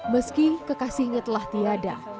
meski kekasihnya telah tiada